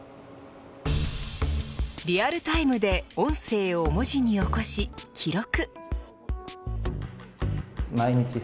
リアルタイムで音声を文字に起こし記録。